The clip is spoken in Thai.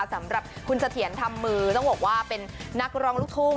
สำหรับคุณเสถียรทำมือต้องบอกว่าเป็นนักร้องลูกทุ่ง